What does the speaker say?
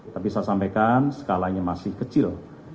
tapi saya sampaikan skalanya masih kecil